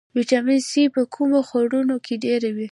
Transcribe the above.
ویټامین سي په کومو خوړو کې ډیر وي